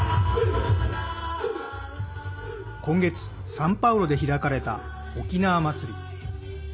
今月、サンパウロで開かれたおきなわ祭り。